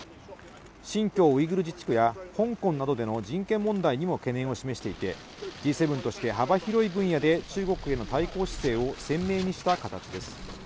新疆ウイグル自治区や香港などでの人権問題にも懸念を示していて、Ｇ７として幅広い分野で中国への対抗姿勢を鮮明にした形です。